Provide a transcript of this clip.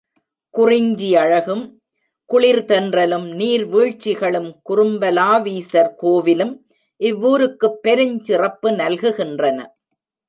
குறிஞ்சியழகும், குளிர் தென்றலும், நீர் வீழ்ச்சிகளும், குறும்பலாவீசர் கோவிலும், இவ்வூருக்குப் பெருஞ் சிறப்பு நல்குகின்றன.